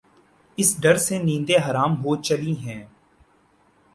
اس ڈر سے نیندیں حرام ہو چلی ہیں۔